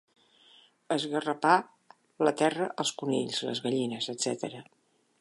Esgarrapar la terra els conills, les gallines, etc.